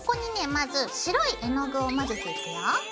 まず白い絵の具を混ぜていくよ。